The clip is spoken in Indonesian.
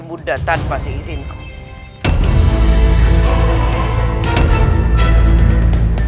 demi book yang tekat